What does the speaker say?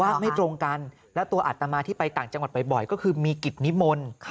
ไม่ตรงกันและตัวอัตมาที่ไปต่างจังหวัดบ่อยก็คือมีกิจนิมนต์